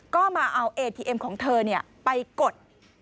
ก็มาเอาเอทีเอ็มของเธอไปกด